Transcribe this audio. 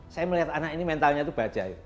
saya melihat anak ini mentalnya itu bajai